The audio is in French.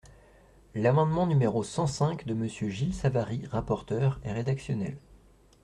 L’amendement numéro cent cinq de Monsieur Gilles Savary, rapporteur, est rédactionnel.